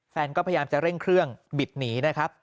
แฟนก็พยายามจะเร่งเครื่องบิดหนีนะครับ